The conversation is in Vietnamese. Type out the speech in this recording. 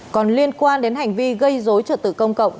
còn liên quan đến hành vi gây dối trật tự công cộng